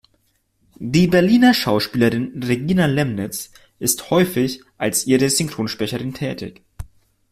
Die Berliner Schauspielerin Regina Lemnitz ist häufig als ihre Synchronsprecherin tätig.